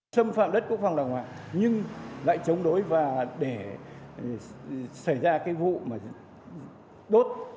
xâm phạm đất quốc phòng đồng phạm nhưng lại chống đối và để xảy ra cái vụ mà đốt